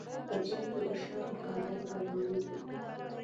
په چای کې د شاتو کارول ګټور دي.